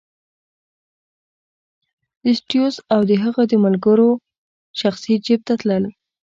د سټیونز او د هغه د ملګرو شخصي جېب ته تلل.